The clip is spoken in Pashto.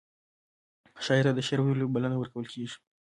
شاعر ته د شعر ویلو بلنه ورکول کیږي.